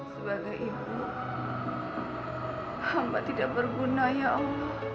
sebagai ibu hamba tidak berguna ya allah